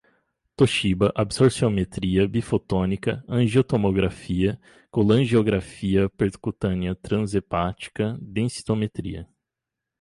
Toshiba, absorciometria bifotônica, angiotomografia, colangiografia percutânea trans-hepática, densitometria